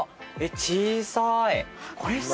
小さい。